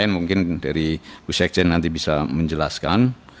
mungkin dari bu sekjen nanti bisa menjelaskan